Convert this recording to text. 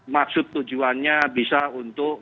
maksud tujuannya bisa untuk